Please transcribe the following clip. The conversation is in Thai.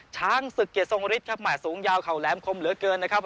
ช้างศึกเกียรทรงฤทธิ์ครับแห่สูงยาวเข่าแหลมคมเหลือเกินนะครับ